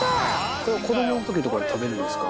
これは子供の時とか食べるんですか？